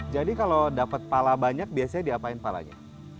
jadi kalau dapat pala banyak biasanya diapain palanya